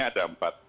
ini ada empat